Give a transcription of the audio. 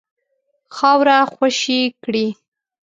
خاوره خوشي کړي.